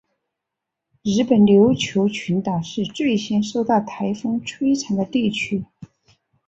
日本琉球群岛是最先受到台风摧残的地区。